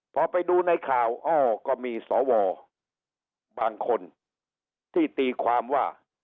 พอไปดูในข่าวอ้อก็มีสวบางคนที่ตีความว่า